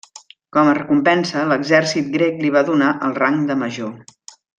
Com recompensa, l'exèrcit grec li va donar el rang de major.